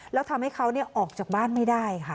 แล้วทำให้เขาออกจากบ้านไม่ได้ค่ะ